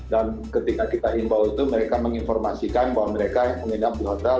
dan ketika kita imbas itu mereka menginformasikan bahwa mereka yang menginap di hotel